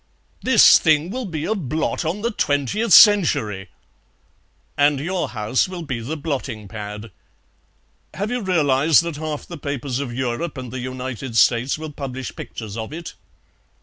"This thing will be a blot on the Twentieth Century!" "And your house will be the blotting pad. Have you realized that half the papers of Europe and the United States will publish pictures of it?